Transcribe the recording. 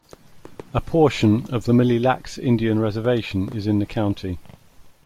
A portion of the Mille Lacs Indian Reservation is in the county.